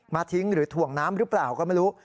ทิ้งหรือถ่วงน้ำหรือเปล่าก็ไม่รู้